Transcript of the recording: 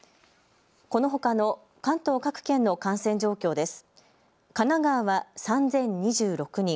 このほかの関東各県の感染状況です。